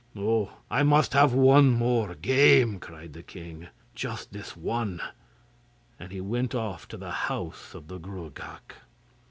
'Oh! I must have one more game,' cried the king; 'just this one.' And he went off to the house of the Gruagach.